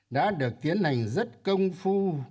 đã được tiến hành rất công phu